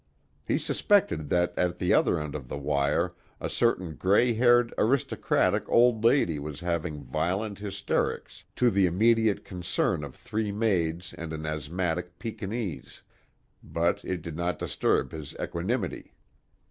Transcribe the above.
He suspected that at the other end of the wire a certain gray haired, aristocratic old lady was having violent hysterics to the immediate concern of three maids and an asthmatic Pekinese, but it did not disturb his equanimity.